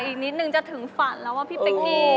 อีกนิดนึงจะถึงฝันแล้วว่าพี่เป๊กกี้